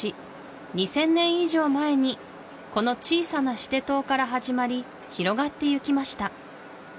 ２０００年以上前にこの小さなシテ島から始まり広がってゆきました